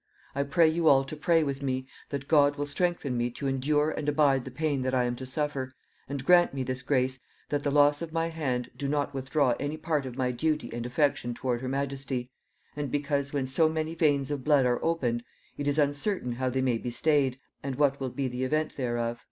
I pray you all to pray with me, that God will strengthen me to endure and abide the pain that I am to suffer, and grant me this grace, that the loss of my hand do not withdraw any part of my duty and affection toward her majesty, and because, when so many veins of blood are opened, it is uncertain how they may be stayed, and what wilt be the event thereof."....